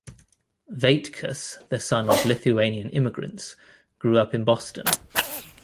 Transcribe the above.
Waitkus, the son of Lithuanian immigrants, grew up in Boston.